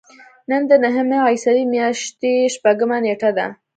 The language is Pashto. نن د نهمې عیسوي میاشتې شپږمه نېټه ده.